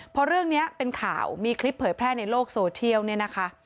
พอเรื่องนี้เป็นข่าวมีคลิปเผยแพร่ในโลกโซเทียลเนี่ยนะคะ